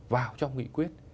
vào trong nghị quyết